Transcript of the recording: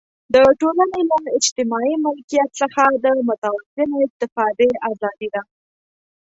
د ټولنې له اجتماعي ملکیت څخه د متوازنې استفادې آزادي ده.